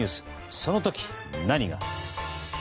その時、何が。